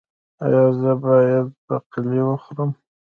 ایا زه باید باقلي وخورم؟